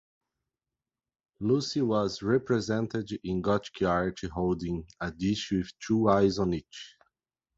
Lucy was represented in Gothic art holding a dish with two eyes on it.